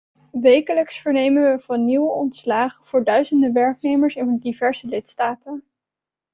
Wekelijks vernemen we van nieuwe ontslagen voor duizenden werknemers in diverse lidstaten.